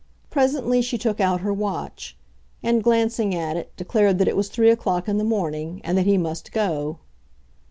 Presently she took out her watch, and, glancing at it, declared that it was three o'clock in the morning and that he must go.